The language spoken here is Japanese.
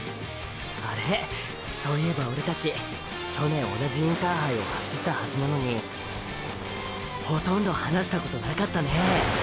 あれっそういえばオレたち去年同じインターハイを走ったはずなのにほとんど話したことなかったね！！